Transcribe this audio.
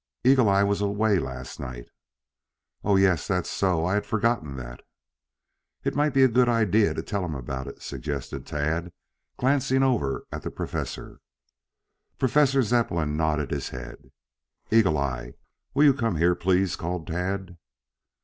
"Eagle eye was away last night." "Oh, yes, that's so. I had forgotten that." "It might be a good idea to tell him about it," suggested Tad, glancing over at the Professor. Professor Zepplin nodded his head. "Eagle eye, will you come here, please?" called Tad.